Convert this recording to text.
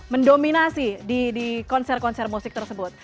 mendominasi di konser konser musik tersebut